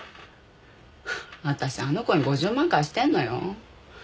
私あの子に５０万貸してんのよ。